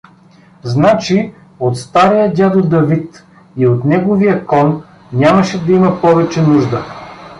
Значи, от стария дядо Давид и от неговия кон нямаше да има повече нужда.